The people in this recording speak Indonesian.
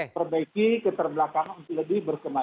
memperbaiki keterbelakangan untuk lebih berkumpulan